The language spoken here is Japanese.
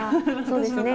そうですね。